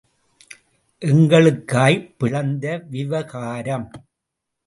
எள்ளுக்காய் பிளந்த விவகாரம்.